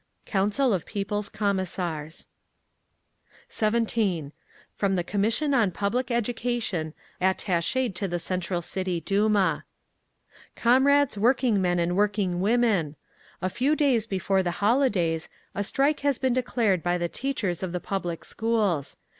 Council of People's Commissars. 17. FROM THE COMMISSION ON PUBLIC EDUCATION ATTACHED TO THE CENTRAL CITY DUMA "Comrades Workingmen and Workingwomen! "A few days before the holidays, a strike has been declared by the teachers of the public schools.